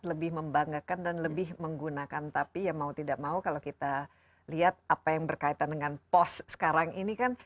lebih membanggakan dan lebih menggunakan tapi ya mau tidak mau kalau kita lihat apa yang berkaitan dengan pos sekarang ini kan